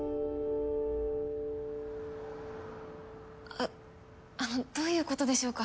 あっあのどういうことでしょうか？